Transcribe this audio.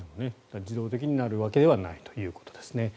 自動的になるわけではないということですね。